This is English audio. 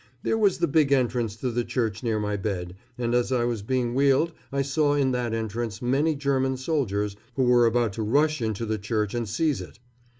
There was the big entrance to the church near my bed, and as I was being wheeled I saw in that entrance many German soldiers, who were about to rush into the church and seize it.